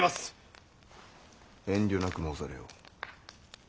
遠慮なく申されよ。